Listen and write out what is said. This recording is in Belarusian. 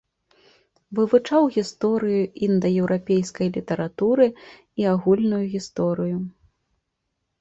Вывучаў гісторыю індаеўрапейскай літаратуры і агульную гісторыю.